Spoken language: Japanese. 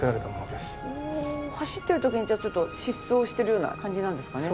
走ってる時にじゃあちょっと疾走してるような感じなんですかね。